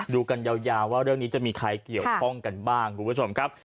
ดูกันยาวว่าเรื่องนี้จะมีใครเกี่ยวข้องกันบ้างคุณผู้ชมครับ